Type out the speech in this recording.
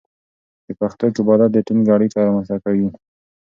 د پښتو قبالت د ټینګه اړیکه رامنځته کوي.